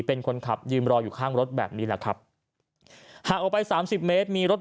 เป็นคนขับยืนรออยู่ข้างรถแบบนี้แหละครับห่างออกไปสามสิบเมตรมีรถ